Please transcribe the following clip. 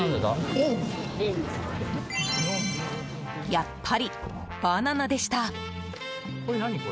やっぱりバナナでした。